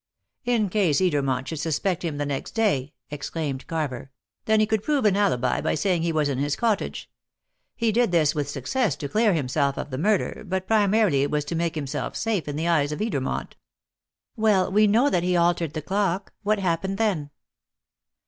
"In case Edermont should suspect him the next day," explained Carver; "then he could prove an alibi by saying he was in his cottage. He did this with success to clear himself of the murder, but primarily it was to make himself safe in the eyes of Edermont." "Well, we know that he altered the clock. What happened then?"